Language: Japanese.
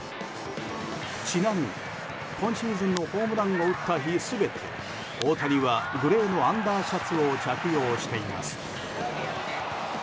ちなみに、今シーズンのホームランを打った日全て大谷はグレーのアンダーシャツを着用しています。